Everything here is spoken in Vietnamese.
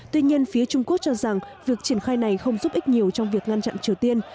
tuy nhiên phía trung quốc cho rằng việc triển khai này không giúp ích nhiều trong việc ngăn chặn triều tiên